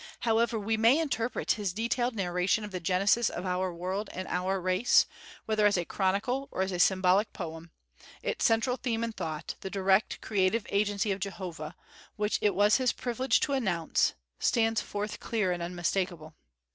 However we may interpret his detailed narration of the genesis of our world and our race, whether as chronicle or as symbolic poem, its central theme and thought, the direct creative agency of Jehovah, which it was his privilege to announce, stands forth clear and unmistakable.